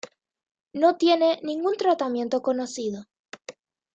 No tiene ningún tratamiento conocido.